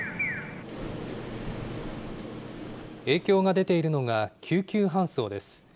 影響が出ているのが救急搬送です。